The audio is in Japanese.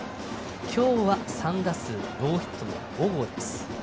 今日は３打数ノーヒットの小郷です。